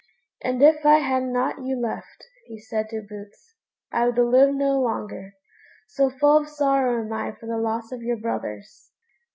"And if I had not you left," he said to Boots, "I would live no longer, so full of sorrow am I for the loss of your brothers."